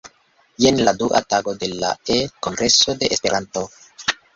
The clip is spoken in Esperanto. Jen la dua tago de la E-kongreso de Esperanto.